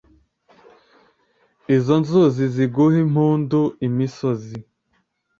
izo nzuzi ziguh'impundu, imisozi